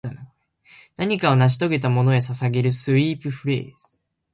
何かを成し遂げたものへ捧げるスウィープフレーズ